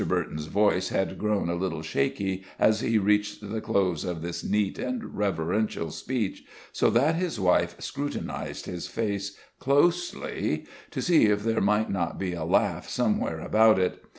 Burton's voice had grown a little shaky as he reached the close of this neat and reverential speech, so that his wife scrutinized his face closely to see if there might not be a laugh somewhere about it.